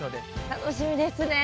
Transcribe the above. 楽しみですね。